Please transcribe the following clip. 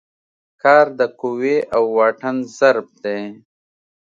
کار د قوې او واټن ضرب دی.